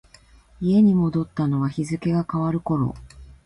家に戻ったのは日付が変わる頃。